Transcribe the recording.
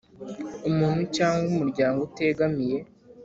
Umuntu cyangwa umuryango utegamiye